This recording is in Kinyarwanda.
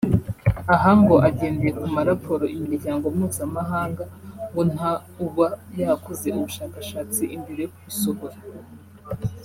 Aha ngo agendeye ku ma raporo imiryango mpuzamahanga ngo nta uba yakoze ubushakashatsi mbere yo kubisohora